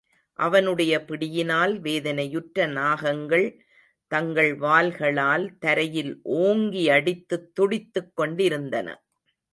அவனுடைய பிடியினால் வேதனையுற்ற நாகங்கள் தங்கள் வால்களால் தரையில் ஓங்கியடித்துத் துடித்துக்கொண்டிருந்தன.